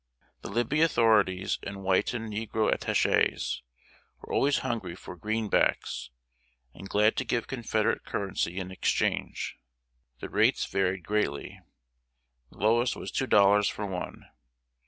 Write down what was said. The Libby authorities, and white and negro attachés, were always hungry for "greenbacks," and glad to give Confederate currency in exchange. The rates varied greatly. The lowest was two dollars for one.